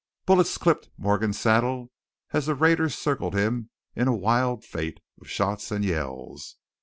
Bullets clipped Morgan's saddle as the raiders circled him in a wild fête of shots and yells.